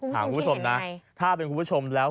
คุณผู้ชมนะถ้าเป็นคุณผู้ชมแล้ว